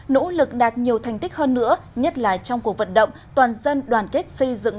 nỗ lực đạt nhiều thành tích hơn nữa nhất là trong cuộc vận động toàn dân đoàn kết xây dựng